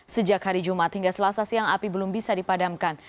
sejak hari jumat hingga selasa siang api belum bisa dipadamkan